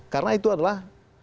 karena itu adalah